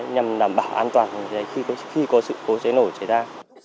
nhằm đảm bảo an toàn phòng cháy khi có sự cố cháy nổ cháy ra